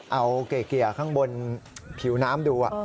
เอาเกลี่ยข้างบนผิวน้ำดู